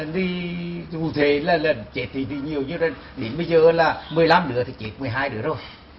thì dù thế là lần chết thì nhiều như đến bây giờ là một mươi năm đứa thì chết một mươi hai đứa rồi